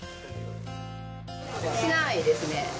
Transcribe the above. しないですね。